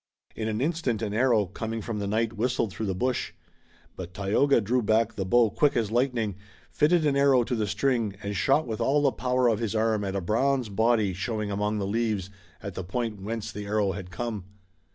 In an instant, an arrow, coming from the night, whistled through the bush. But Tayoga drew back the bow quick as lightning, fitted an arrow to the string and shot with all the power of his arm at a bronze body showing among the leaves at the point whence the arrow had come.